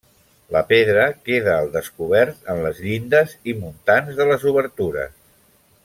La pedra queda al descobert en les llindes i muntants de les obertures.